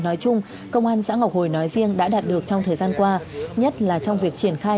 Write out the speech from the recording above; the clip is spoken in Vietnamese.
nói chung công an xã ngọc hồi nói riêng đã đạt được trong thời gian qua nhất là trong việc triển khai